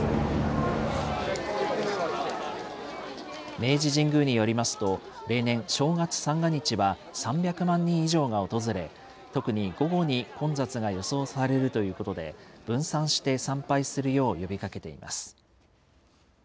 明治神宮によりますと、例年、正月三が日は３００万人以上が訪れ、特に午後に混雑が予想されるということで、分散して参拝するよう呼びかけています。